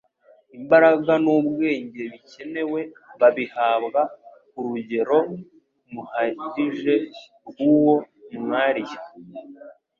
imbaraga n'ubwenge bikenewe babihabwa ku rugero mhagije rw'uwo mwariya.